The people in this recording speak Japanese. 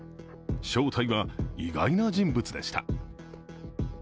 正体は、意外な人物でした。